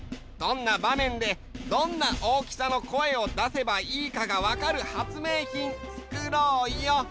どんなばめんでどんな大きさの声をだせばいいかがわかる発明品つくろうよ。